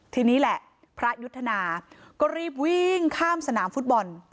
ทีนี้แหละพระยุทธนาก็รีบวิ่งข้ามสนามฟุตบอล